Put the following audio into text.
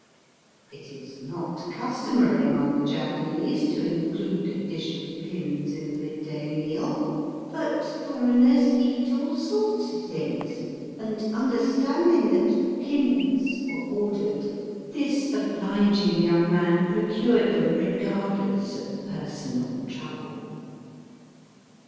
It is not customary among the Japanese to in clude a dish of pins in the midday meal ; but foreigners eat all sorts of things, and under standing that pins were ordered, this obKging young man procured them regardless of personal trouble.